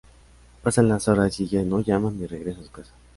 Pasan las horas y ella no llama ni regresa a su casa.